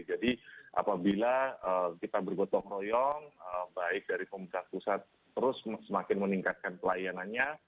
jadi apabila kita bergotong royong baik dari pemerintah pusat terus semakin meningkatkan pelayanannya